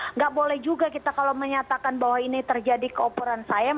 nggak boleh juga kita kalau menyatakan bahwa ini terjadi keoperan saya